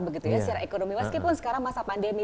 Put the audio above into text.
begitu ya secara ekonomi meskipun sekarang masa pandemi